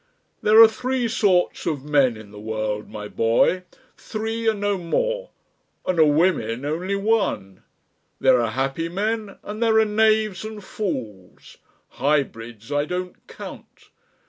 "There are three sorts of men in the world, my boy, three and no more and of women only one. There are happy men and there are knaves and fools. Hybrids I don't count.